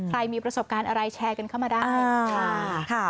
มีประสบการณ์อะไรแชร์กันเข้ามาได้ค่ะ